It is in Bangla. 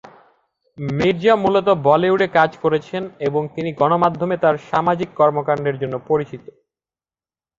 মির্জা মূলত বলিউডে কাজ করেছেন এবং তিনি গণমাধ্যমে তার সামাজিক কর্মকান্ডের জন্য পরিচিত।